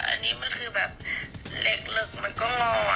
อันนี้มันคือแบบเหล็กมันก็งอ